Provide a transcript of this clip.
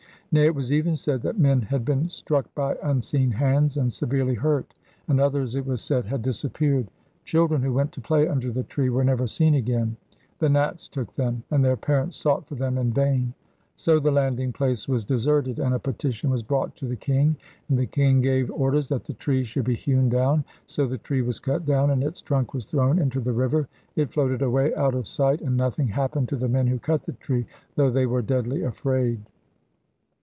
Nay, it was even said that men had been struck by unseen hands and severely hurt, and others, it was said, had disappeared. Children who went to play under the tree were never seen again: the Nats took them, and their parents sought for them in vain. So the landing place was deserted, and a petition was brought to the king, and the king gave orders that the tree should be hewn down. So the tree was cut down, and its trunk was thrown into the river; it floated away out of sight, and nothing happened to the men who cut the tree, though they were deadly afraid.